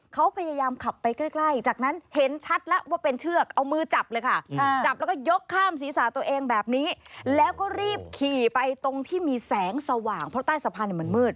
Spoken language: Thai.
เขาพยายามขับไปใกล้จากนั้นเห็นชัดแล้วว่าเป็นเชือกเอามือจับเลยค่ะจับแล้วก็ยกข้ามศีรษะตัวเองแบบนี้แล้วก็รีบขี่ไปตรงที่มีแสงสว่างเพราะใต้สะพานมันมืด